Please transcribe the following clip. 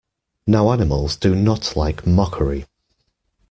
Now animals do not like mockery.